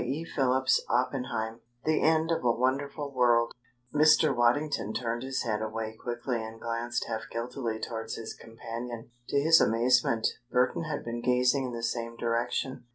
CHAPTER XXVI THE END OF A WONDERFUL WORLD Mr. Waddington turned his head away quickly and glanced half guiltily towards his companion. To his amazement, Burton had been gazing in the same direction.